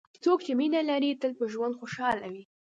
څوک چې مینه لري، تل په ژوند خوشحال وي.